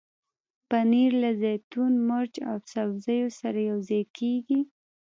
پنېر له زیتون، مرچ او سبزیو سره یوځای کېږي.